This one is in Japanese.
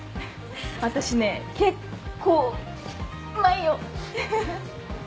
私ね結構うまいよフフフ。